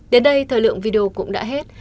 đến đây thời lượng video cũng đã hết